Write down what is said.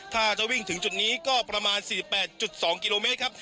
ถ้าจะวิ่งถึงจุดนี้ก็ประมาณ๔๘๒กิโลเมตรครับ